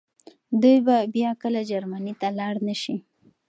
دی به بيا کله جرمني ته لاړ نه شي.